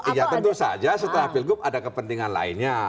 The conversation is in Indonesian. ya tentu saja setelah pilgub ada kepentingan lainnya